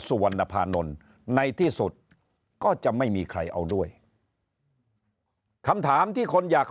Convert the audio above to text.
สุวรรณภานนท์ในที่สุดก็จะไม่มีใครเอาด้วยคำถามที่คนอยาก